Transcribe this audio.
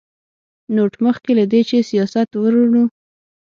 نوټ: مخکې له دې چې ستاسې وروڼو